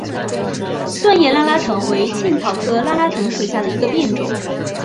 钝叶拉拉藤为茜草科拉拉藤属下的一个变种。